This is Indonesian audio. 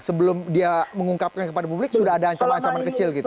sebelum dia mengungkapkan kepada publik sudah ada ancaman ancaman kecil gitu